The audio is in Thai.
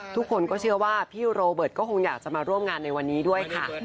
ทุกคนก็เชื่อว่าพี่โรเบิร์ตก็คงอยากจะมาร่วมงานในวันนี้ด้วยค่ะ